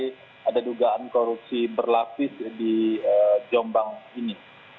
pernyataan korupsi berlapis di jombang ini